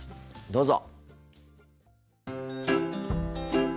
どうぞ。